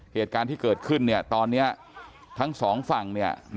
เหตุการณ์ที่เกิดขึ้นตอนนี้ทั้งสองฝั่ง